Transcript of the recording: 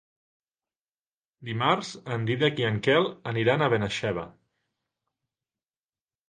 Dimarts en Dídac i en Quel aniran a Benaixeve.